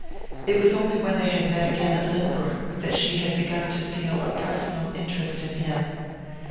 It was only when they had met again at Lynbrook that she had begun to feel a personal interest in him.